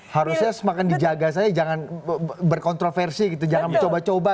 harusnya semakin dijaga saja jangan berkontroversi gitu jangan mencoba coba